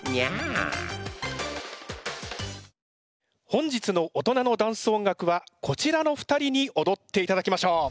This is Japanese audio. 本日の「おとなのダンス音楽」はこちらの２人におどっていただきましょう。